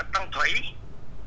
sinh vô cái chùa